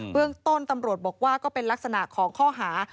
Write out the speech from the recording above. เรื่องต้นตำรวจบอกว่าก็เป็นลักษณะของข้อหา